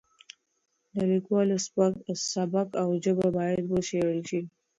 د لیکوالو سبک او ژبه باید وڅېړل شي.